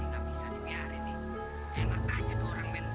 dan memberi nafas kuat